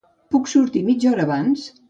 Puc sortir mitja hora abans?